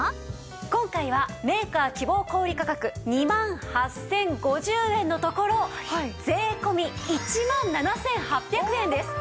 今回はメーカー希望小売価格２万８０５０円のところ税込１万７８００円です。